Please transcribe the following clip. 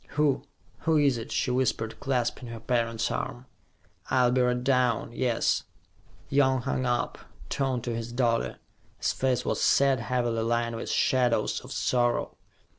"Who who is it?" she whispered, clasping her parent's arm. "I'll be right down, yes." Young hung up, turned to his daughter. His face was sad, heavily lined with shadows of sorrow.